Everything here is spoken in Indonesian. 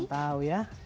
saya tidak tahu ya